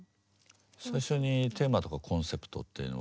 最初にテーマとかコンセプトっていうのは。